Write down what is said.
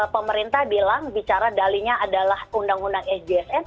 pemerintah bilang bicara dalinya adalah undang undang ejsn